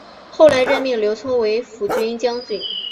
后来任命刘聪为抚军将军。